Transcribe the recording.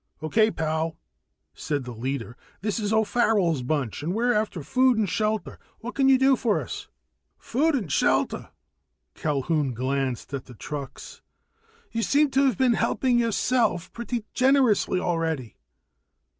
"Okay, pal," said the leader. "This is O'Farrell's bunch, and we're after food and shelter. What can yuh do for us?" "Food and shelter?" Culquhoun glanced at the trucks. "You seem to've been helping yourselves pretty generously already."